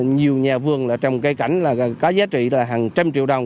nhiều nhà vườn trong cây cảnh có giá trị hàng trăm triệu đồng